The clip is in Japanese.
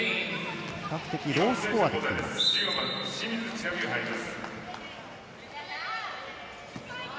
比較的ロースコアできています。